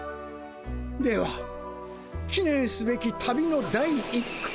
ではきねんすべき旅の第一句。